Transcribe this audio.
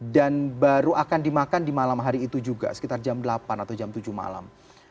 dan baru akan dimakan di malam hari itu juga sekitar jam delapan atau jam tujuh malam